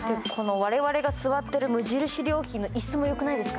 我々が座っている無印良品の椅子も良くないですか？